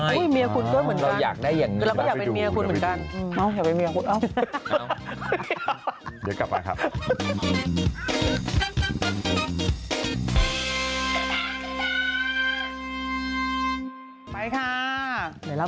มีเมียคุณก็เหมือนกันแต่เราก็อยากเป็นเมียคุณเหมือนกันไปดูใช่เดี๋ยวกลับมาครับ